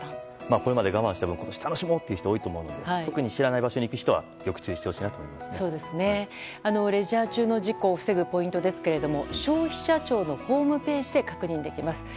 これまで我慢した分今年楽しもうという人多いと思うので特に知らない場所に行く時はレジャー中の事故を防ぐポイントですが消費者庁のホームページで確認できます。